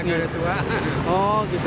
tidak ada yang tua